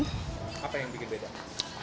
apa yang bikin beda